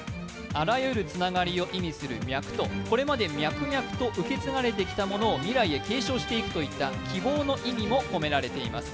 あらゆるつながりを意味する「脈」とこれまで「脈々」と受け継がれてきたものを未来へ継承していくといった希望の意味も込められています。